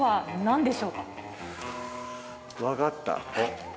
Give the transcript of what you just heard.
分かった。